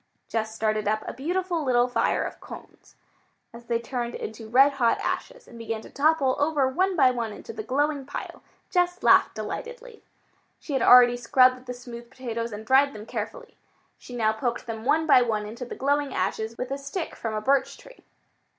Jess started up a beautiful little fire of cones. As they turned into red hot ashes and began to topple over one by one into the glowing pile, Jess laughed delightedly. She had already scrubbed the smooth potatoes and dried them carefully. She now poked them one by one into the glowing ashes with a stick from a birch tree.